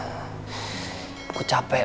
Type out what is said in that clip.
aku capek banget nih